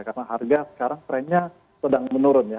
karena harga sekarang trendnya sedang menurun ya